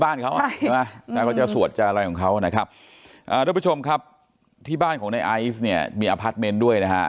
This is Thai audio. ไหว้พี่ขอบคุณจริงของเหมือนกันมาทั้งหมด